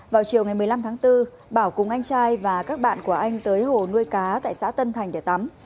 vào chiều ngày một mươi năm tháng bốn bảo cùng anh trai và các bạn của anh tới hồ nuôi cá tại xã tân thành để tắm